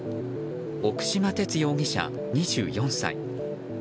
奥島哲容疑者、２４歳。